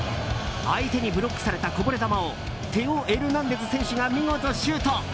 相手にブロックされたこぼれ球をテオ・エルナンデズ選手が見事シュート！